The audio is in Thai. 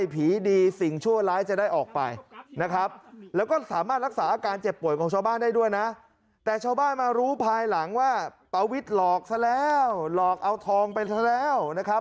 พลายหลังว่าประวิทย์หลอกซะแล้วหลอกเอาทองไปซะแล้วนะครับ